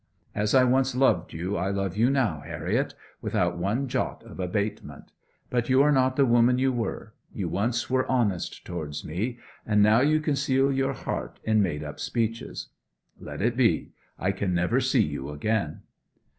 As I once loved you I love you now, Harriet, without one jot of abatement; but you are not the woman you were you once were honest towards me; and now you conceal your heart in made up speeches. Let it be: I can never see you again.'